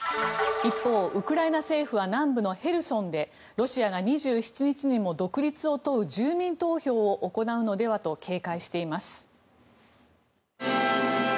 一方、ウクライナ政府は南部のヘルソンでロシアが２７日にも独立を問う住民投票を行うのではと警戒しています。